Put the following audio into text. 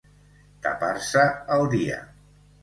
Tapar-se el dia.